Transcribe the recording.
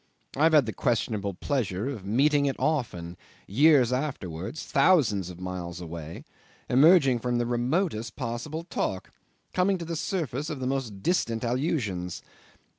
I've had the questionable pleasure of meeting it often, years afterwards, thousands of miles away, emerging from the remotest possible talk, coming to the surface of the most distant allusions.